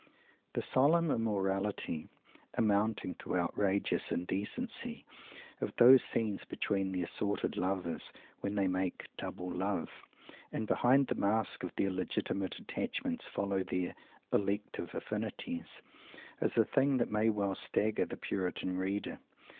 The solemn immorality, amounting to outrageous indecency, of those scenes between the assorted lovers when they make "double" love, and behind the mask of their legitimate attachments follow their "elective affinities," is a thing that may well stagger the puritan reader.